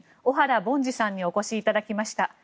小原凡司さんにお越しいただきました。